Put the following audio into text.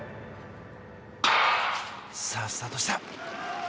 さあ、スタートした。